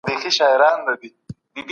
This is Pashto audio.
فارس کي د صفویانو شاه اسماعیل.